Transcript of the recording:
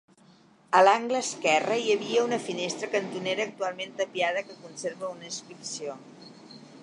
A l'angle esquerre hi havia una finestra cantonera, actualment tapiada, que conserva una inscripció.